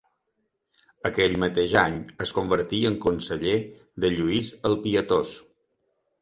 Aquell mateix any es convertí en conseller de Lluís el Pietós.